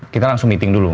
kita langsung meeting dulu